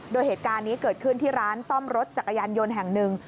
โดยเหตุการณ์นี้เกิดขึ้นที่ร้านซ่อมรถจักรยานยนต์แห่งหนึ่ง